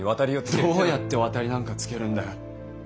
どうやって渡りなんかつけるんだよ。